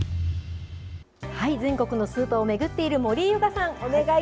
全国のスーパーを巡っている森井ユカさん。